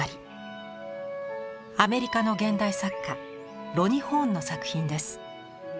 アメリカの現代作家ロニ・ホーンの作品です。